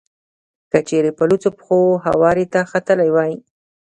که چېرې په لوڅو پښو هوارې ته ختلی وای.